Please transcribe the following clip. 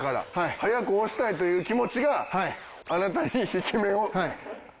早く押したいという気持ちがあなたに引き面を打たせたんです。